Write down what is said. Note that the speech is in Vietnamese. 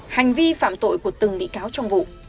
hành vi phạm tội của từng bị cáo trong vụ